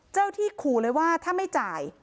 ที่ขู่เลยว่าถ้าไม่จ่าย